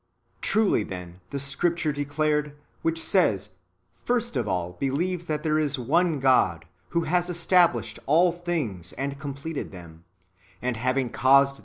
Truly, then, the scripture declared, which says, " First'^ of all believe that there is one God, who has established all things, and completed them, and having caused that from 1 Gen. ii.